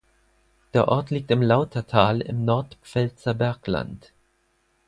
Der Ort liegt im Lautertal im Nordpfälzer Bergland.